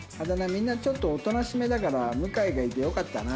みんなちょっとおとなしめだから向がいてよかったな。